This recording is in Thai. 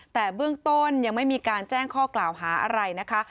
แต่เบื้องต้นยังไม่มีการแจ้งข้อกล่าวหาอะไรนะคะ